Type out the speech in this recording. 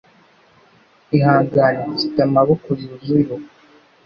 Ihangane, Mfite amaboko yuzuye ubu